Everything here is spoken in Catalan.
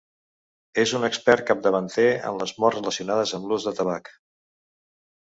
És un expert capdavanter en les morts relacionades amb l'ús de tabac.